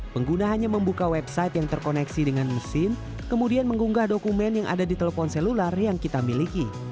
pengguna hanya membuka website yang terkoneksi dengan mesin kemudian mengunggah dokumen yang ada di telepon selular yang kita miliki